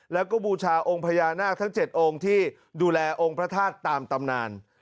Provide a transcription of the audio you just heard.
แล้วก็บูชาองค์พญานาคทั้ง๗องค์ที่ดูแลองค์พระธาตุตามตำนาน